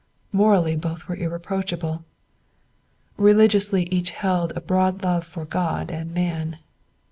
Morally both were irreproachable. Religiously each held a broad love for God and man.